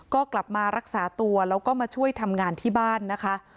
ก็กลับมารักษาตัวแล้วก็มาช่วยทำงานที่บ้านนะคะ